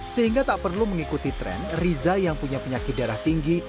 sehingga tak perlu mengikuti tren riza yang punya penyakit darah tinggi